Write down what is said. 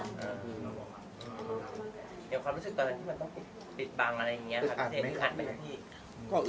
อย่างความรู้สึกตอนนี้มันต้องปิดบังอะไรอย่างงี้